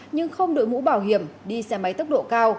nhưng không đội mũ bảo hiểm đi xe máy tốc độ cao